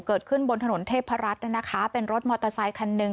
เกิดขึ้นบนถนนเทพรัฐนะคะเป็นรถมอเตอร์ไซคันหนึ่ง